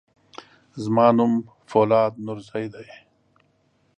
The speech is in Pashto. زما نوم فولاد نورزی دی.